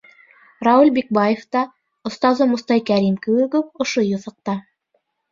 Рауил Бикбаев та, остазы Мостай Кәрим кеүек үк, ошо юҫыҡта.